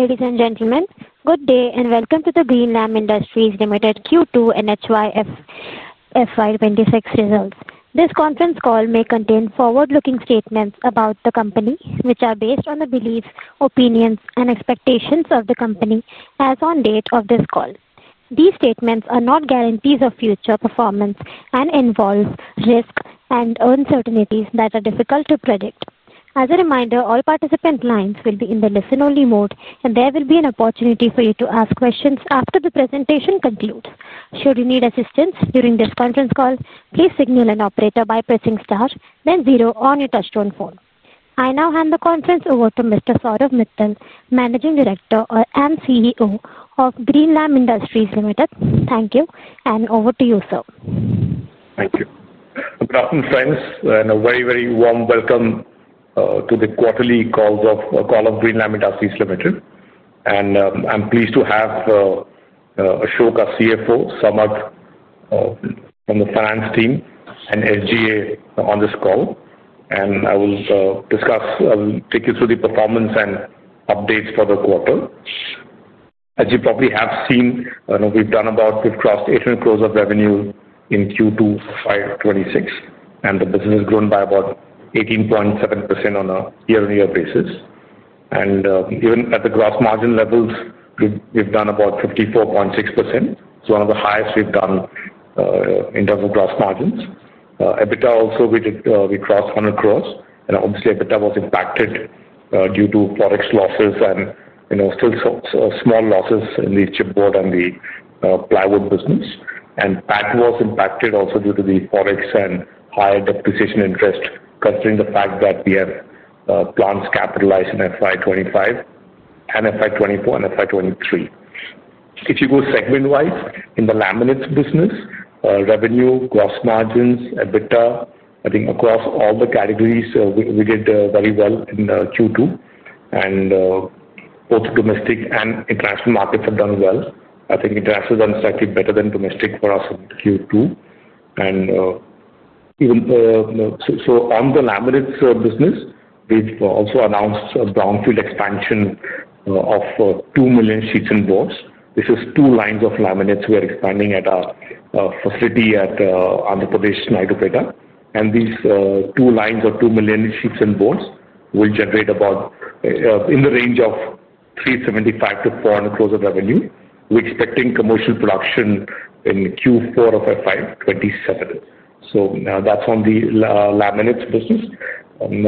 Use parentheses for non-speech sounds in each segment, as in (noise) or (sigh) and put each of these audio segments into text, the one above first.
Ladies and gentlemen, good day and welcome to the Greenlam Industries Limited Q2 and H1 FY2026 results. This conference call may contain forward-looking statements about the company, which are based on the beliefs, opinions, and expectations of the company as on date of this call. These statements are not guarantees of future performance and involve risks and uncertainties that are difficult to predict. As a reminder, all participant lines will be in the listen-only mode, and there will be an opportunity for you to ask questions after the presentation concludes. Should you need assistance during this conference call, please signal an operator by pressing star, then zero on your touchstone phone. I now hand the conference over to Mr. Saurabh Mittal, Managing Director and CEO of Greenlam Industries Limited. Thank you, and over to you, sir. Thank you. Good afternoon, friends, and a very, very warm welcome to the quarterly call of Greenlam Industries Limited. I am pleased to have Ashok, CFO, Samarth from the finance team, and SGA on this call. I will discuss, I will take you through the performance and updates for the quarter. As you probably have seen, we have done about, we have crossed 800 crore of revenue in Q2 FY2026, and the business has grown by about 18.7% on a year-on-year basis. Even at the gross margin levels, we have done about 54.6%, so one of the highest we have done in terms of gross margins. EBITDA also, we did, we crossed 100 crore, and obviously EBITDA was impacted due to forex losses and still small losses in the chipboard and the plywood business. That was impacted also due to the forex and higher depreciation interest considering the fact that we have plants capitalized in FY 2025-FY 2023. If you go segment-wise in the laminates business, revenue, gross margins, EBITDA, I think across all the categories, we did very well in Q2, and both domestic and international markets have done well. I think international has done slightly better than domestic for us in Q2. On the laminates business, we've also announced a brownfield expansion of 2 million sheets and boards. This is two lines of laminates we're expanding at our facility at Andhra Pradesh, Naidupeta. These two lines of 2 million sheets and boards will generate about in the range of 375 crore-400 crore of revenue. We're expecting commercial production in Q4 of FY 2027. That is on the laminates business. In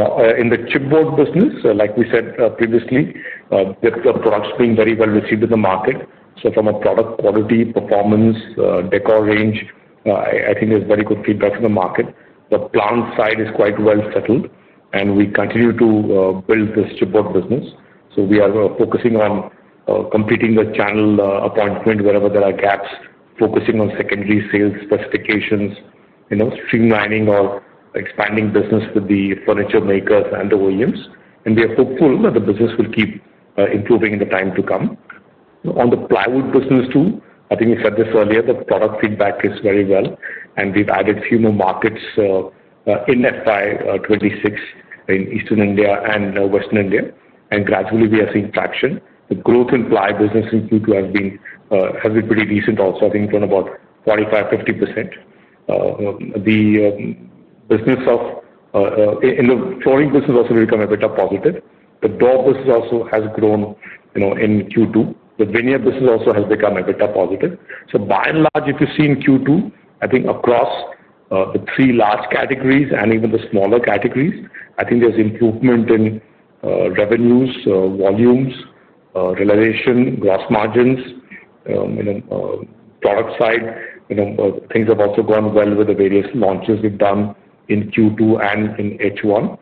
the chipboard business, like we said previously, the products are being very well received in the market. From a product quality, performance, decor range, I think there is very good feedback from the market. The plant side is quite well settled, and we continue to build this chipboard business. We are focusing on completing the channel appointment wherever there are gaps, focusing on secondary sales specifications, streamlining or expanding business with the furniture makers and the OEMs. We are hopeful that the business will keep improving in the time to come. On the plywood business too, I think we said this earlier, the product feedback is very well, and we have added few more markets in FY 2026 in Eastern India and Western India, and gradually we are seeing traction. The growth in plywood business in Q2 has been pretty decent also, I think done about 45%-50%. The business in the flooring business also has become a bit positive. The door business also has grown in Q2. The veneer business also has become a bit positive. By and large, if you see in Q2, I think across the three large categories and even the smaller categories, I think there's improvement in revenues, volumes, realization, gross margins, product side. Things have also gone well with the various launches we've done in Q2 and in H1.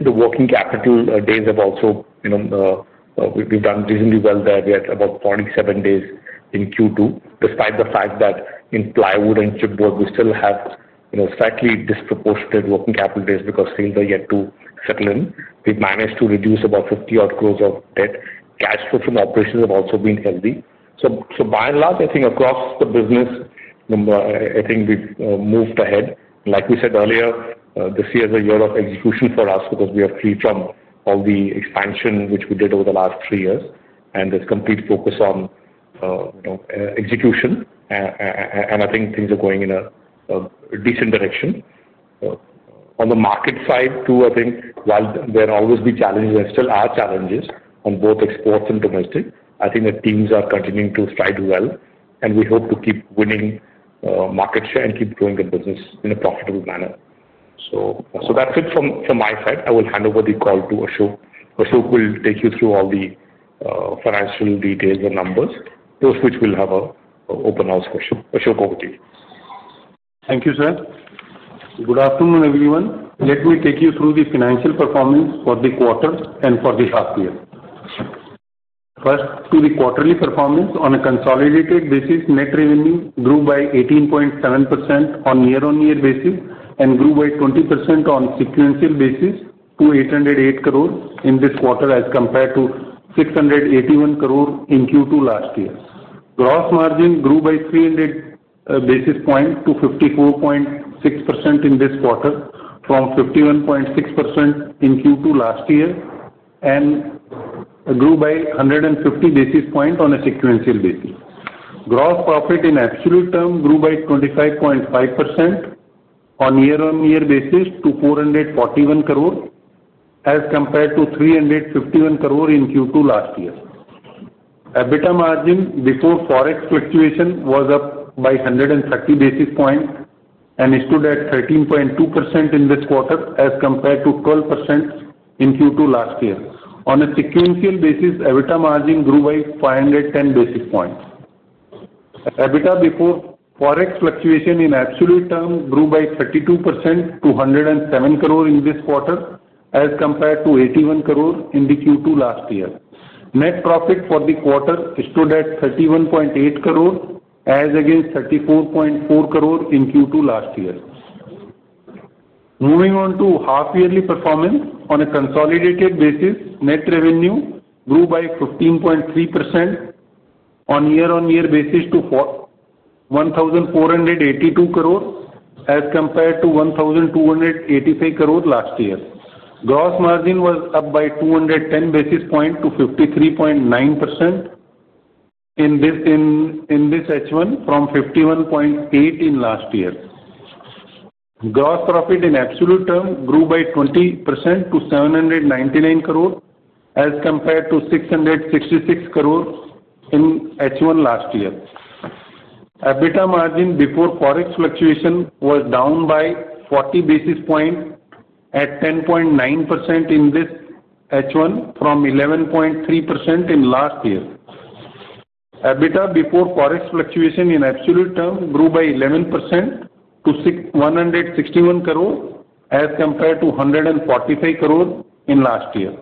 The working capital days have also, we've done reasonably well there. We had about 47 days in Q2, despite the fact that in plywood and chipboard, we still have slightly disproportionate working capital days because sales are yet to settle in. We've managed to reduce about 50-odd crores of debt. Cash flow from operations has also been healthy. By and large, I think across the business, I think we've moved ahead. Like we said earlier, this year is a year of execution for us because we are free from all the expansion which we did over the last three years, and there is complete focus on execution. I think things are going in a decent direction. On the market side too, I think while there will always be challenges, there still are challenges on both exports and domestic. I think the teams are continuing to strive well, and we hope to keep winning market share and keep growing the business in a profitable manner. That is it from my side. I will hand over the call to Ashok. Ashok will take you through all the financial details and numbers, those which we will have an open house for. Ashok, over to you. Thank you, sir. Good afternoon, everyone. Let me take you through the financial performance for the quarter and for the last year. First, to the quarterly performance on a consolidated basis, net revenue grew by 18.7% on year-on-year basis and grew by 20% on sequential basis to 808 crore in this quarter as compared to 681 crore in Q2 last year. Gross margin grew by 300 basis points to 54.6% in this quarter from 51.6% in Q2 last year and grew by 150 basis points on a sequential basis. Gross profit in absolute term grew by 25.5% on year-on-year basis to 441 crore as compared to 351 crore in Q2 last year. EBITDA margin before forex fluctuation was up by 130 basis points and stood at 13.2% in this quarter as compared to 12% in Q2 last year. On a sequential basis, EBITDA margin grew by 510 basis points. EBITDA before forex fluctuation in absolute term grew by 32% to 107 crore in this quarter as compared to 81 crore in Q2 last year. Net profit for the quarter stood at 31.8 crore as against 34.4 crore in Q2 last year. Moving on to half-yearly performance, on a consolidated basis, net revenue grew by 15.3% on year-on-year basis to 1,482 crore as compared to 1,285 crore last year. Gross margin was up by 210 basis points to 53.9% in this H1 from 51.8% in last year. Gross profit in absolute term grew by 20% to 799 crore as compared to 666 crore in H1 last year. EBITDA margin before forex fluctuation was down by 40 basis points at 10.9% in this H1 from 11.3% in last year. EBITDA before forex fluctuation in absolute term grew by 11% to 161 crore as compared to 145 crore in last year.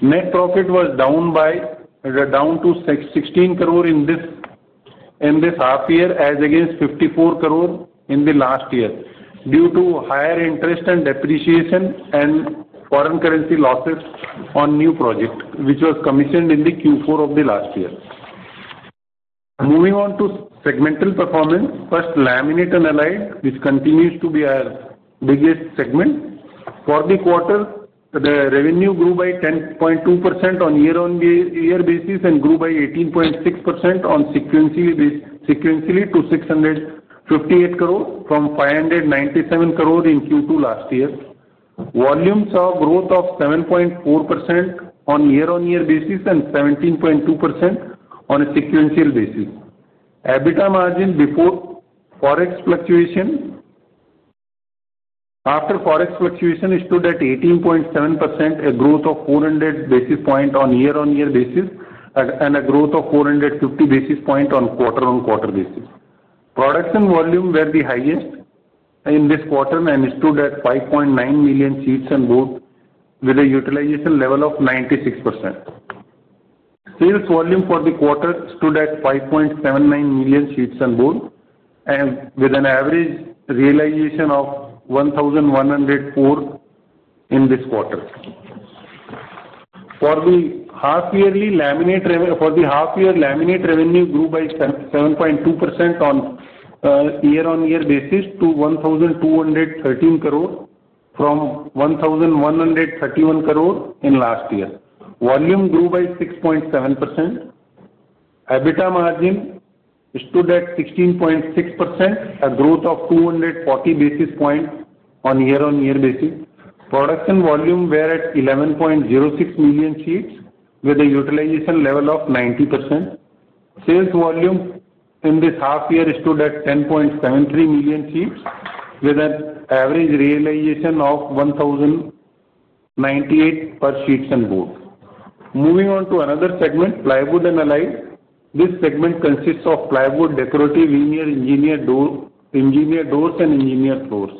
Net profit was down to 16 crores in this half-year as against 54 crores in the last year due to higher interest and depreciation and foreign currency losses on new projects, which was commissioned in the Q4 of the last year. Moving on to segmental performance, first, laminate and allied, which continues to be our biggest segment. For the quarter, the revenue grew by 10.2% on year-on-year basis and grew by 18.6% sequentially to 658 crores from 597 crores in Q2 last year. Volumes saw growth of 7.4% on year-on-year basis and 17.2% on a sequential basis. EBITDA margin before forex fluctuation, after forex fluctuation, stood at 18.7%, a growth of 400 basis points on year-on-year basis, and a growth of 450 basis points on quarter-on-quarter basis. Production volume were the highest in this quarter and stood at 5.9 million sheets and boards, with a utilization level of 96%. Sales volume for the quarter stood at 5.79 million sheets and boards, with an average realization of 1,104 in this quarter. For the half-yearly laminate, for the half-year laminate revenue grew by 7.2% on year-on-year basis to 1,213 crore from 1,131 crore in last year. Volume grew by 6.7%. EBITDA margin stood at 16.6%, a growth of 240 basis points on year-on-year basis. Production volume were at 11.06 million sheets, with a utilization level of 90%. Sales volume in this half-year stood at 10.73 million sheets, with an average realization of 1,098 per sheets and boards. Moving on to another segment, plywood and allied. This segment consists of plywood, decorative veneer, engineered doors, and engineered floors.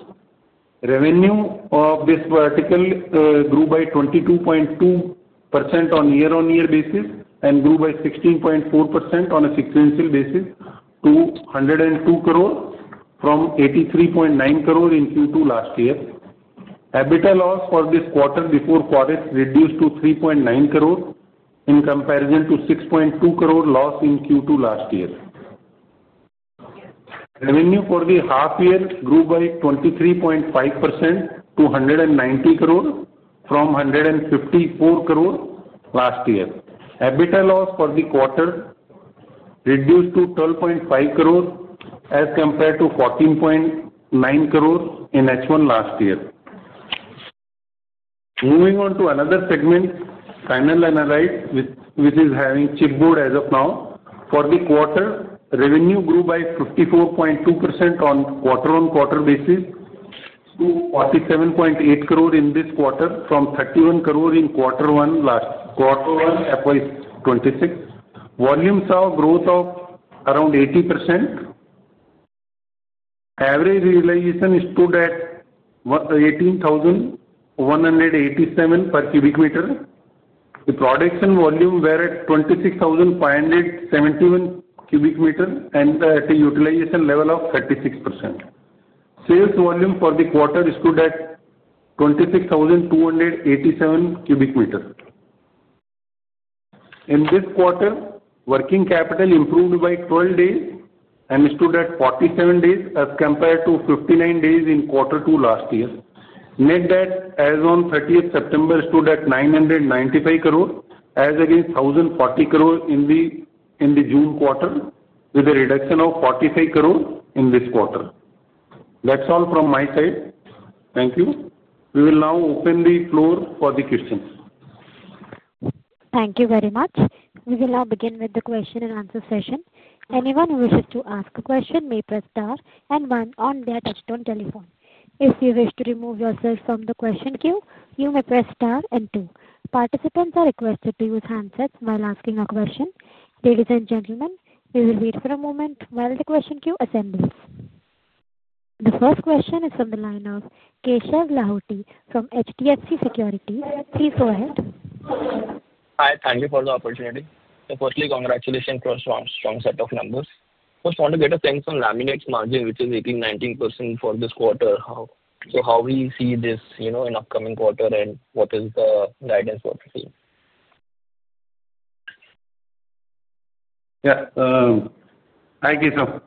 Revenue of this vertical grew by 22.2% on year-on-year basis and grew by 16.4% on a sequential basis to 102 crore from 83.9 crore in Q2 last year. EBITDA loss for this quarter before forex reduced to 3.9 crores in comparison to 6.2 crores loss in Q2 last year. Revenue for the half-year grew by 23.5% to 190 crores from 154 crores last year. EBITDA loss for the quarter reduced to 12.5 crores as compared to 14.9 crores in H1 last year. Moving on to another segment, panel and allied, which is having chipboard as of now. For the quarter, revenue grew by 54.2% on quarter-on-quarter basis to 47.8 crores in this quarter from 31 crores in quarter one last quarter one FY 2026. Volume saw growth of around 80%. Average realization stood at 18,187 per cubic meter. The production volume were at 26,571 cu m and at a utilization level of 36%. Sales volume for the quarter stood at 26,287 cu m. In this quarter, working capital improved by 12 days and stood at 47 days as compared to 59 days in quarter two last year. Net debt as on 30th September stood at 995 crore as against 1,040 crore in the June quarter, with a reduction of 45 crore in this quarter. That's all from my side. Thank you. We will now open the floor for the questions. Thank you very much. We will now begin with the question and answer session. Anyone who wishes to ask a question may press star and one on their touchstone telephone. If you wish to remove yourself from the question queue, you may press star and two. Participants are requested to use handsets while asking a question. Ladies and gentlemen, we will wait for a moment while the question queue assembles. The first question is from the line of Keshav Lahoti from HDFC Securities. Please go ahead. Hi. Thank you for the opportunity. Firstly, congratulations for a strong set of numbers. First, I want to get a sense on laminate's margin, which is 18%-19% for this quarter. How do we see this in the upcoming quarter and what is the guidance for the team? Yeah. Thank you, sir.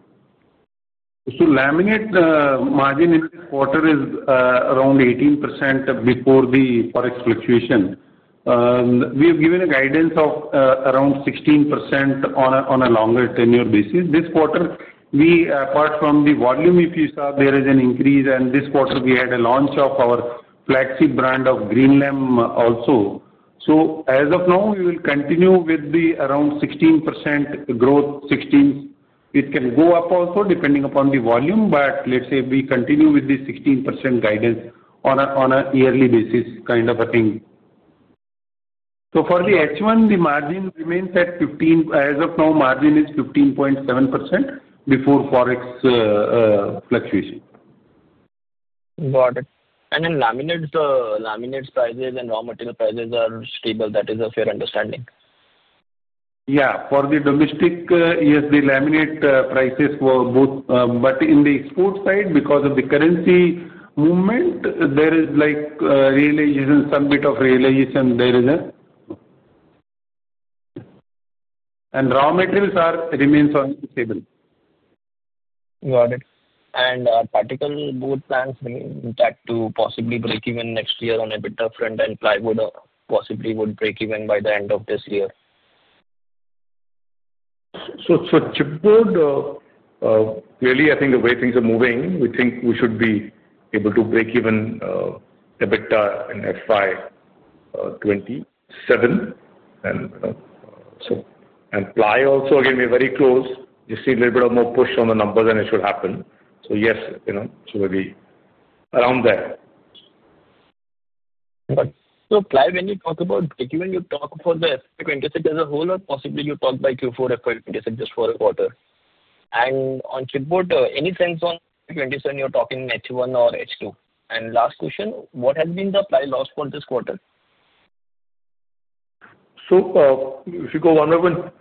So laminate margin in this quarter is around 18% before the forex fluctuation. We have given a guidance of around 16% on a longer tenure basis. This quarter, apart from the volume, if you saw, there is an increase, and this quarter we had a launch of our flagship brand of Greenlam also. As of now, we will continue with the around 16% growth, 16. It can go up also depending upon the volume, but let's say we continue with the 16% guidance on a yearly basis, kind of a thing. For the H1, the margin remains at 15%. As of now, margin is 15.7% before forex fluctuation. Got it. Laminate's prices and raw material prices are stable. That is a fair understanding. Yeah. For the domestic, yes, the laminate prices were both, but in the export side, because of the currency movement, there is realization, some bit of realization there is not. And raw materials remain stable. Got it. Are particle board plans intact to possibly break even next year on EBITDA front, and plywood possibly would break even by the end of this year? Chipboard, clearly, I think the way things are moving, we think we should be able to break even EBITDA in FY 2027. And ply also, again, we are very close. You see a little bit of more push on the numbers, then it should happen. Yes, it should be around there. Ply, when you talk about break even, you talk for the FY [2027] as a whole, or possibly you talk by Q4 FY 2027 just for the quarter? On chipboard, any sense on FY 2027, you're talking H1 or H2? Last question, what has been the Ply loss for this quarter? If you go one by one,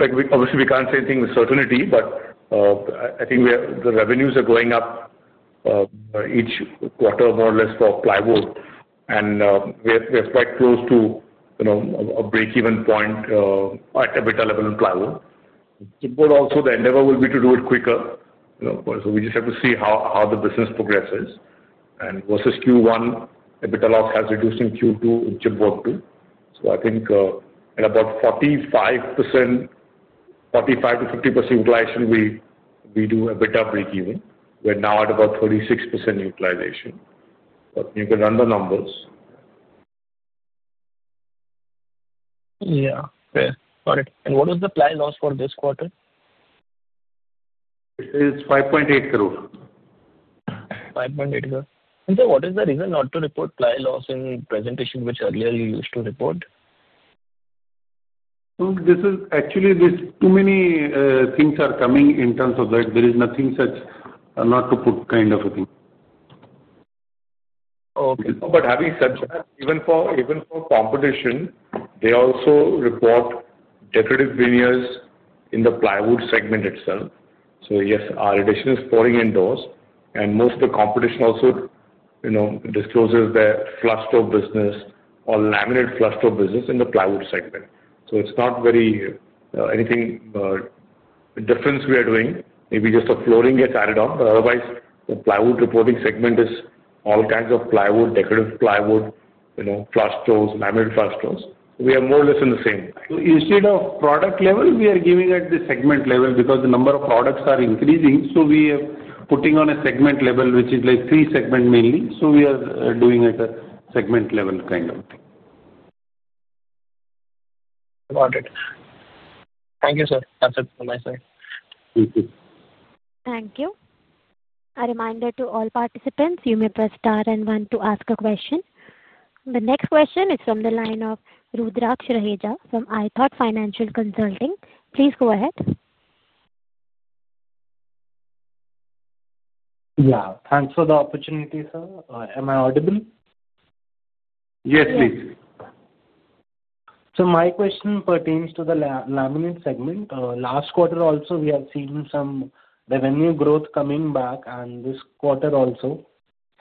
obviously we can't say anything with certainty, but I think the revenues are going up each quarter more or less for plywood, and we are quite close to a break-even point at EBITDA level in plywood. Chipboard also, the endeavor will be to do it quicker. We just have to see how the business progresses. Versus Q1, EBITDA loss has reduced in Q2, chipboard too. I think at about 45%-50% utilization, we do EBITDA break even. We're now at about 36% utilization. You can run the numbers. Yeah. Fair. Got it. What was the Ply loss for this quarter? It's INR 5.8 crore. 5.8 crores. What is the reason not to report Ply loss in presentation which earlier you used to report? This is actually too many things are coming in terms of that. There is nothing such not to put kind of a thing. Okay. Having said that, even for competition, they also report decorative veneers in the plywood segment itself. Yes, our addition is pouring in those. Most of the competition also discloses their flush door business or laminate flush door business in the plywood segment. It is not anything very different we are doing. Maybe just flooring gets added on, but otherwise, the plywood reporting segment is all kinds of plywood, decorative plywood, flush doors, laminate flush doors. We are more or less in the same line. Instead of product level, we are giving at the segment level because the number of products are increasing. We are putting on a segment level, which is like three segments mainly. We are doing at a segment level kind of thing. Got it. Thank you, sir. That's it from my side. Thank you. Thank you. A reminder to all participants, you may press star and one to ask a question. The next question is from the line of Rudraksh Raheja from iThought Financial Consulting. Please go ahead. Yeah. Thanks for the opportunity, sir. Am I audible? Yes, please. My question pertains to the laminate segment. Last quarter also, we have seen some revenue growth coming back, and this quarter also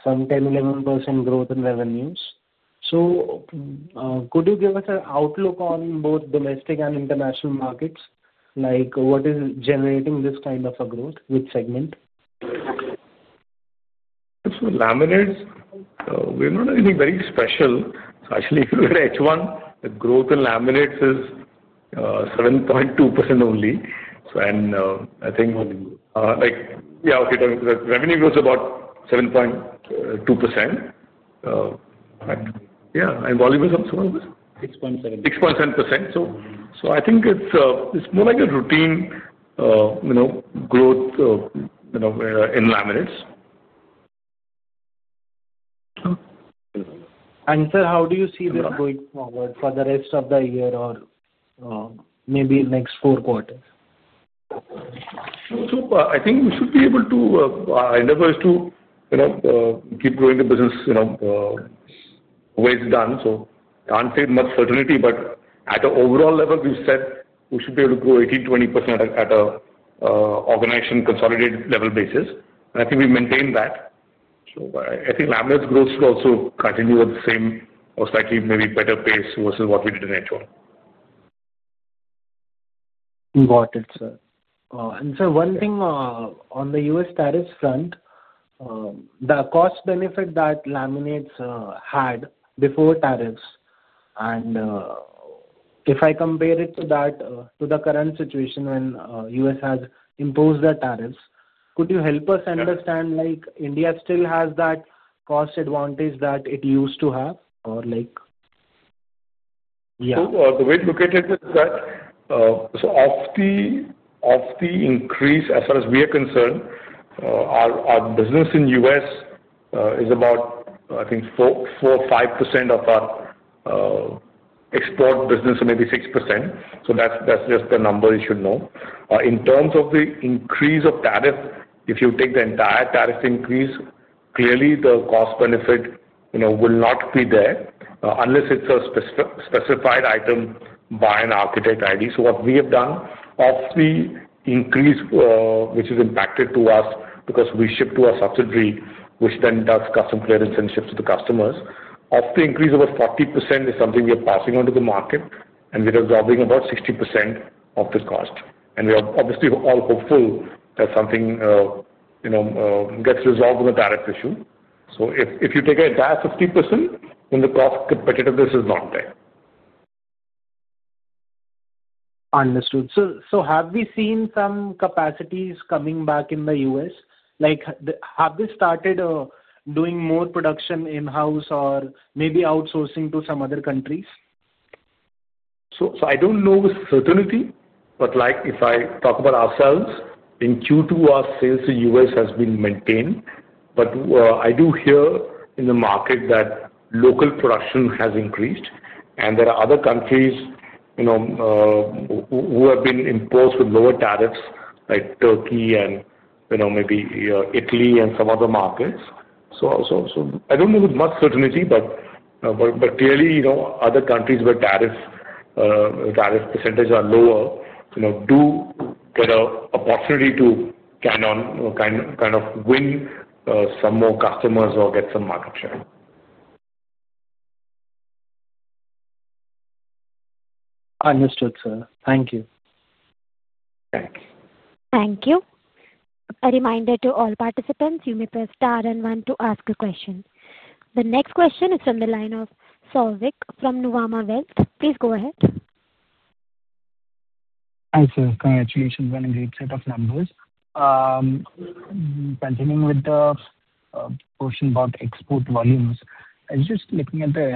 some 10%-11% growth in revenues. Could you give us an outlook on both domestic and international markets? What is generating this kind of a growth with segment? Laminates, we're not doing anything very special. Actually, if you look at H1, the growth in laminates is 7.2% only. I think, yeah, okay, revenue grows about 7.2%. Yeah. Volume is also 6.7%. (crosstalk) 6.7%. I think it's more like a routine growth in laminates. Sir, how do you see this going forward for the rest of the year or maybe next four quarters? I think we should be able to, our endeavor is to keep growing the business the way it's done. I can't say much certainty, but at the overall level, we've said we should be able to grow 18%-20% at an organization consolidated level basis. I think we maintain that. I think laminates growth should also continue at the same or slightly maybe better pace versus what we did in H1. Got it, sir. Sir, one thing on the U.S. tariffs front, the cost benefit that laminates had before tariffs, and if I compare it to the current situation when the U.S. has imposed the tariffs, could you help us understand if India still has that cost advantage that it used to have or? The way to look at it is that of the increase, as far as we are concerned, our business in the U.S. is about, I think, 4%-5% of our export business, maybe 6%. That is just the number you should know. In terms of the increase of tariff, if you take the entire tariff increase, clearly the cost benefit will not be there unless it is a specified item by an architect ID. What we have done of the increase, which is impacted to us because we ship to a subsidiary, which then does custom clearance and ships to the customers, of the increase of 40% is something we are passing on to the market, and we are absorbing about 60% of the cost. We are obviously all hopeful that something gets resolved on the tariff issue. If you take an entire 50%, then the cost competitiveness is not there. Understood. So have we seen some capacities coming back in the U.S.? Have they started doing more production in-house or maybe outsourcing to some other countries? I don't know with certainty, but if I talk about ourselves, in Q2, our sales to the U.S. has been maintained. I do hear in the market that local production has increased, and there are other countries who have been imposed with lower tariffs, like Turkey and maybe Italy and some other markets. I don't know with much certainty, but clearly other countries where tariff percentages are lower do get an opportunity to kind of win some more customers or get some market share. Understood, sir. Thank you. Thanks. Thank you. A reminder to all participants, you may press star and one to ask a question. The next question is from the line of Saurvik from Nuvama Wealth. Please go ahead. Hi, sir. Congratulations on a great set of numbers. Continuing with the portion about export volumes, I was just looking at the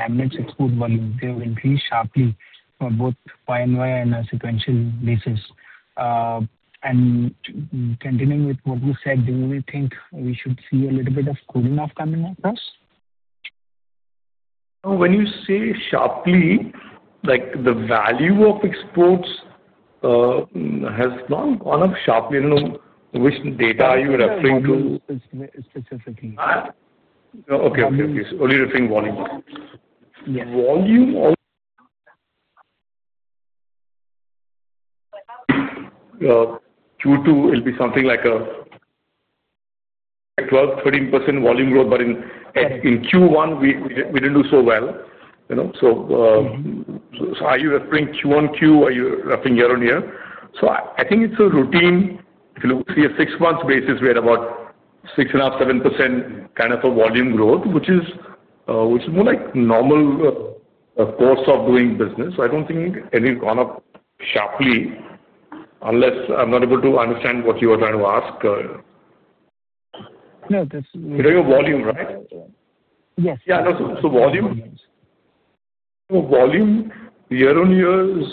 laminates' export volume. They have increased sharply for both ply and YoY on a sequential basis. Continuing with what you said, do you think we should see a little bit of cooling off coming across? When you say sharply, the value of exports has gone down sharply. I don't know which data are you referring to. Volume specifically. (crosstalk) Okay. Okay. So only referring volume of Q2 will be something like a 12%-13% volume growth, but in Q1, we did not do so well. Are you referring QoQ? Are you referring year-on-year? I think it is a routine. If you look at a six-month basis, we had about 6.5%-7% kind of a volume growth, which is more like normal course of doing business. I do not think anything has gone up sharply unless I am not able to understand what you are trying to ask. No, that's. (crosstalk) You're talking about volume, right? Yes. Yeah. (crosstalk) So volume, year-on-year is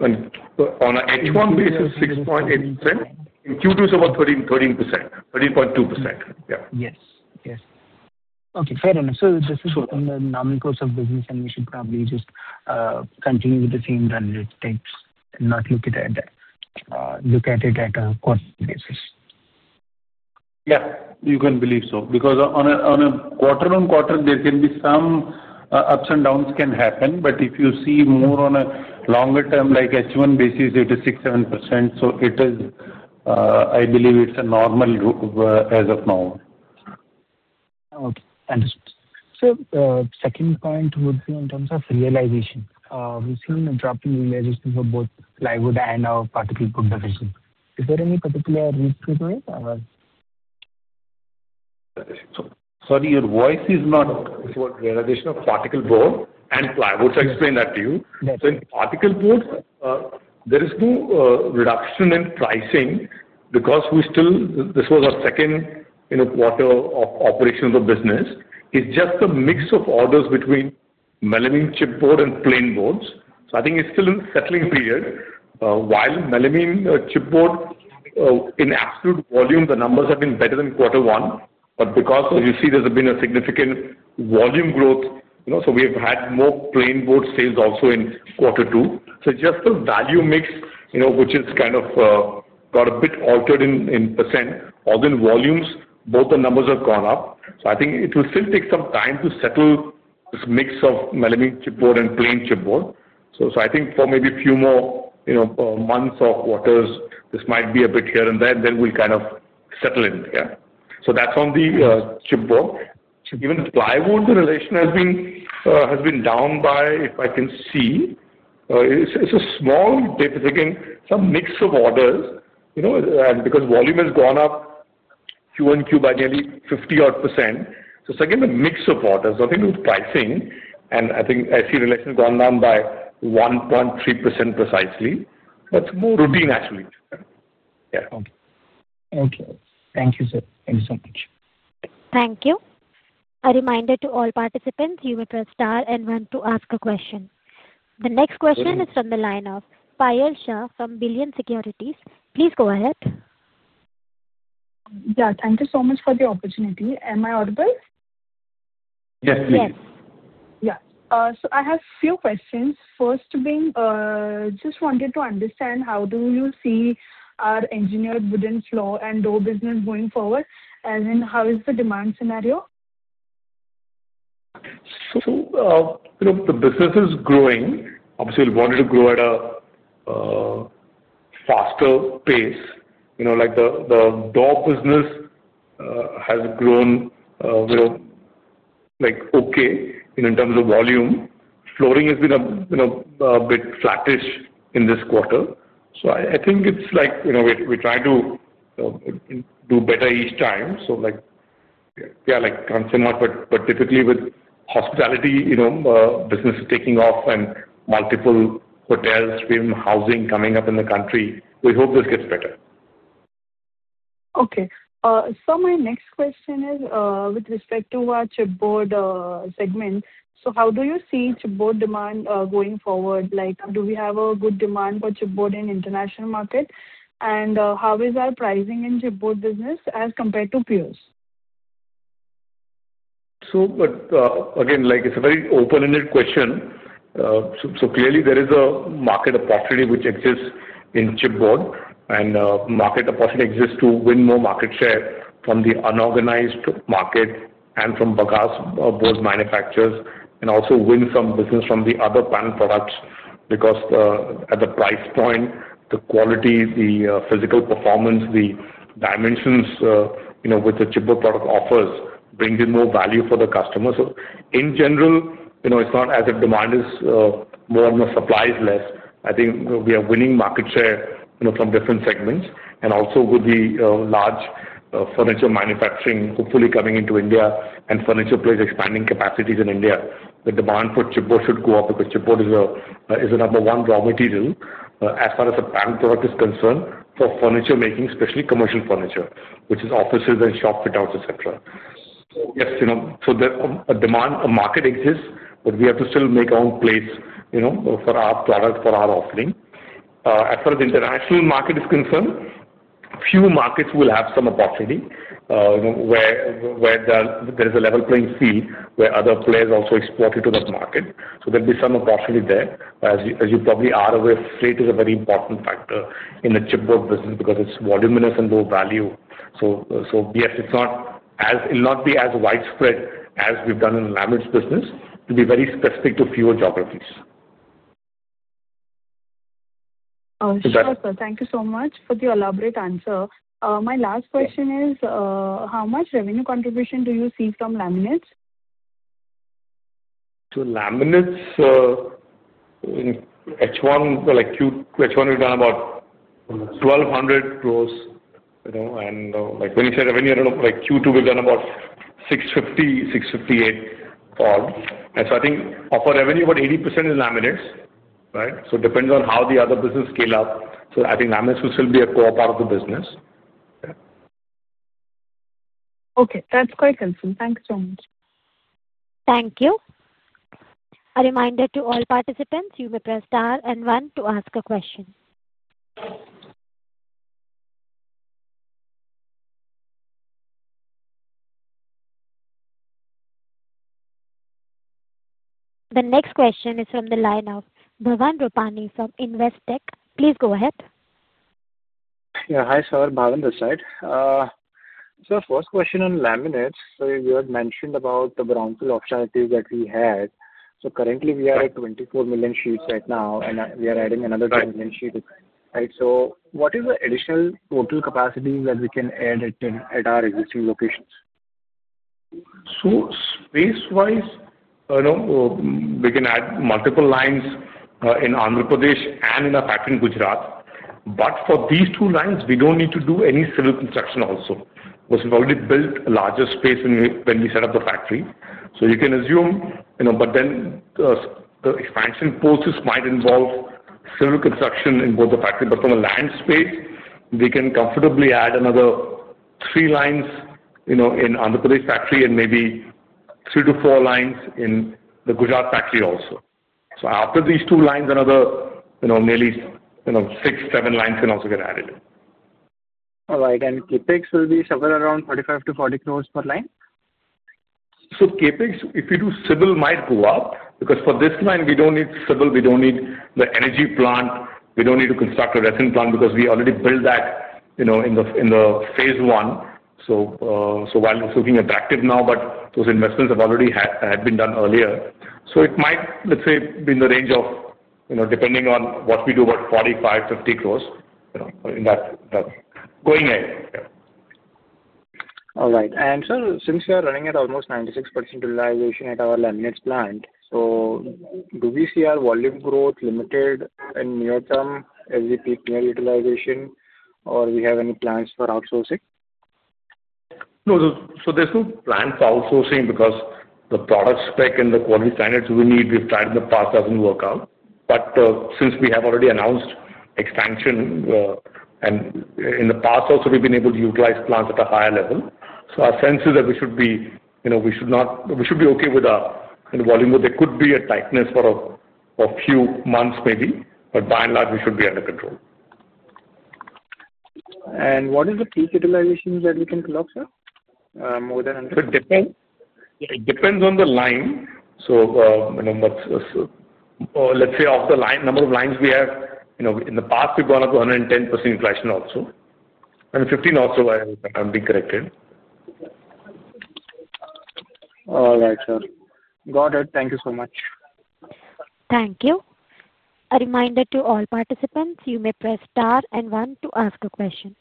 on an H1 basis, 6.8%. In Q2, it's about 13.2%. Yeah. Yes. Yes. Okay. Fair enough. This is the nominal course of business, and we should probably just continue with the same run rate takes and not look at it at a quarterly basis. Yeah. You can believe so. Because on a quarter-on-quarter, there can be some ups and downs can happen, but if you see more on a longer term, like H1 basis, it is 6%-7%. So I believe it's normal as of now. Okay. Understood. Second point would be in terms of realization. We've seen a drop in realization for both plywood and our chipboard division. Is there any particular reason for it? Sorry, your voice is not. About realization of particle board and ply. I want to explain that to you. In particle boards, there is no reduction in pricing because this was our second quarter of operation of the business. It is just a mix of orders between melamine chipboard and plain boards. I think it is still in the settling period. While melamine chipboard, in absolute volume, the numbers have been better than quarter one. Because, as you see, there has been a significant volume growth, we have had more plain board sales also in quarter two. It is just the value mix, which has kind of got a bit altered in percent, although in volumes, both the numbers have gone up. I think it will still take some time to settle this mix of melamine chipboard and plain chipboard. I think for maybe a few more months or quarters, this might be a bit here and there, and then we'll kind of settle in here. That's on the chipboard. Even plywood, the realization has been down by, if I can see. It's a small difference. Again, some mix of orders. Because volume has gone up QoQ by nearly 50-odd %, so it's again a mix of orders. Nothing to do with pricing. I think I see realization gone down by 1.3% precisely. It's more routine, actually. Yeah. Okay. Thank you, sir. Thank you so much. Thank you. A reminder to all participants, you may press star and one to ask a question. The next question is from the line of Payal Shah from Billion Securities. Please go ahead. Yeah. Thank you so much for the opportunity. Am I audible? Yes, (crosstalk) please. Yes. (crosstalk) Yeah. I have a few questions. First being, just wanted to understand how do you see our engineered wooden floor and door business going forward, and then how is the demand scenario? The business is growing. Obviously, we wanted to grow at a faster pace. The door business has grown okay in terms of volume. Flooring has been a bit flattish in this quarter. I think it's like we're trying to do better each time. Yeah, like [some odd], but typically with hospitality, business is taking off, and multiple hotels, housing coming up in the country. We hope this gets better. Okay. My next question is with respect to our chipboard segment. How do you see chipboard demand going forward? Do we have a good demand for chipboard in the international market? How is our pricing in chipboard business as compared to peers? Again, it's a very open-ended question. Clearly, there is a market opportunity which exists in chipboard, and market opportunity exists to win more market share from the unorganized market and from chipboard manufacturers, and also win some business from the other panel products because at the price point, the quality, the physical performance, the dimensions which the chipboard product offers bring in more value for the customers. In general, it's not as if demand is more and the supply is less. I think we are winning market share from different segments. Also, with the large furniture manufacturing hopefully coming into India and furniture players expanding capacities in India, the demand for chipboard should go up because chipboard is the number one raw material as far as a panel product is concerned for furniture making, especially commercial furniture, which is offices and shop fit-outs, etc. Yes. The demand, a market exists, but we have to still make our own place for our product, for our offering. As far as the international market is concerned, few markets will have some opportunity where there is a level playing field where other players also export into that market. There will be some opportunity there. As you probably are aware, freight is a very important factor in the chipboard business because it is voluminous and low value. Yes, it will not be as widespread as we have done in laminates business. It will be very specific to fewer geographies. Understood, (crosstalk) sir. Thank you so much for the elaborate answer. My last question is, how much revenue contribution do you see from laminates? Laminates, H1, we've done about 1,200 crores. When you say revenue, like Q2, we've done about 650 crores-658 crores odds. I think of our revenue, about 80% is laminates, right? It depends on how the other business scale up. I think laminates will still be a core part of the business. Okay. That's quite concise. Thanks so much. Thank you. A reminder to all participants, you may press star and one to ask a question. The next question is from the line of Bhavan Rupani from Investec. Please go ahead. Yeah. Hi, sir. Bhavan on this side. First question on laminates. You had mentioned about the brownfield optionality that we had. Currently, we are at 24 million sheets right now, and we are adding another 2 million sheets, right? What is the additional total capacity that we can add at our existing locations? Space-wise, we can add multiple lines in Andhra Pradesh and in a factory in Gujarat. For these two lines, we don't need to do any civil construction also, because we've already built a larger space when we set up the factory. You can assume, but then the expansion process might involve civil construction in both the factory. From a land space, we can comfortably add another three lines in the Andhra Pradesh factory and maybe three-four lines in the Gujarat factory also. After these two lines, another nearly six-seven lines can also get added. All right. And CapEx will be somewhere around 45 crores-40 crore per line? CapEx, if you do civil, might go up. Because for this line, we do not need civil. We do not need the energy plant. We do not need to construct a resin plant because we already built that in phase one. While it is looking attractive now, those investments have already been done earlier. It might, let's say, be in the range of, depending on what we do, about 45 crores-50 crores in that going ahead. All right. Sir, since we are running at almost 96% utilization at our laminates plant, do we see our volume growth limited in the near term as we peak near utilization, or do we have any plans for outsourcing? No. So there's no plan for outsourcing because the product spec and the quality standards we need, we've tried in the past, doesn't work out. But since we have already announced expansion, and in the past also, we've been able to utilize plants at a higher level. So our sense is that we should be, we should be okay with the volume, but there could be a tightness for a few months maybe. But by and large, we should be under control. What is the peak utilization that we can pull up, sir? More than 100? It depends on the line. So let's say of the number of lines we have, in the past, we've gone up to 110% inflation also. I mean, 15% also, but I'm being corrected. All right, sir. Got it. Thank you so much. Thank you. A reminder to all participants, you may press star and one to ask a question.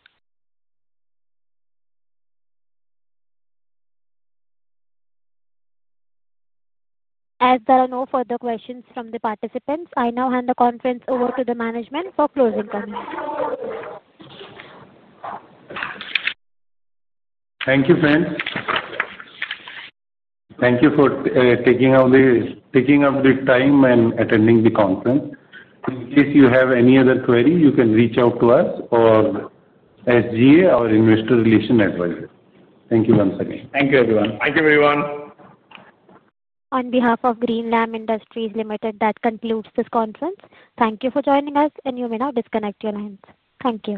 As there are no further questions from the participants, I now hand the conference over to the management for closing comments. Thank you, friends. Thank you for taking up the time and attending the conference. In case you have any other query, you can reach out to us or SGA, our investor relation advisor. Thank you once again. Thank you, everyone. (crosstalk) Thank you, everyone. (crosstalk) On behalf of Greenlam Industries Limited, that concludes this conference. Thank you for joining us, and you may now disconnect your lines. Thank you.